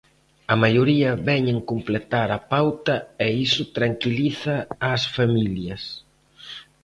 A maioría veñen completar a pauta e iso tranquiliza ás familias.